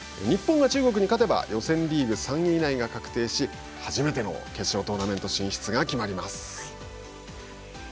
日本が中国に勝てば予選リーグ３位以内が確定し初めての決勝トーナメント進出が決まります。